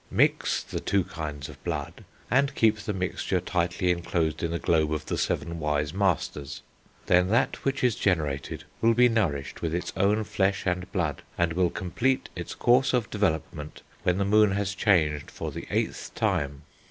Mix the two kinds of blood, and keep the mixture tightly enclosed in the globe of the seven wise Masters. Then that which is generated will be nourished with its own flesh and blood, and will complete its course of development when the Moon has changed for the eighth time.